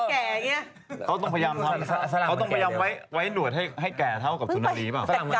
นี่ใช่ต้องพยายามไว้หน่วยให้แกงเท่ากับสุนธนตรีหรือป่ะ